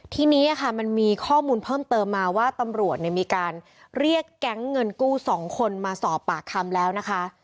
ทีนี้ค่ะมันมีข้อมูลเพิ่มเติมมาว่าตำรวจมีการเรียกแก๊งเงินกู้๒คนมาสอบปากคำแล้วนะคะ